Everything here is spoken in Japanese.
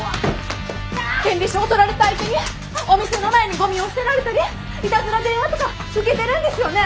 権利書を取られた相手にお店の前にゴミを捨てられたりイタズラ電話とか受けてるんですよね？